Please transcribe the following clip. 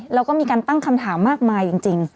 แล้วก็มีการตั้งคำถามมากมายจริง